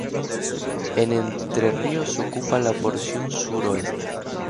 En Entre Ríos ocupa la porción sur-oeste.